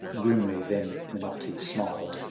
Grimly then Minotti smiled.